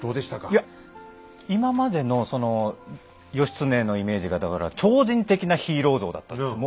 いや今までのその義経のイメージがだから超人的なヒーロー像だったんですよ。